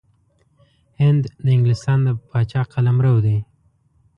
هند د انګلستان د پاچا قلمرو دی.